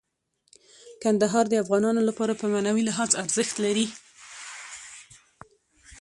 کندهار د افغانانو لپاره په معنوي لحاظ ارزښت لري.